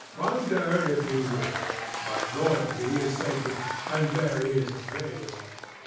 Wonder, if you will; but royalty is sacred; and there is a veil.